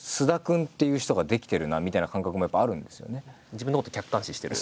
自分のことを客観視してる？